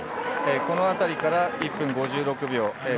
このあたりから１分５６秒。